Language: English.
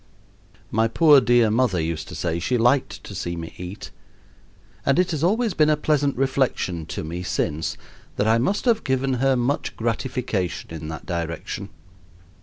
My poor, dear mother used to say she liked to see me eat, and it has always been a pleasant reflection to me since that I must have given her much gratification in that direction.